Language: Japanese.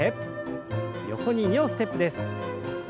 横に２歩ステップです。